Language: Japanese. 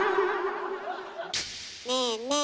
ねえねえ